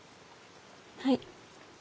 はい。